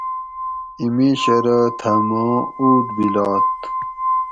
اِیں مِیش ارو تھہ ماں اُوٹ بِلات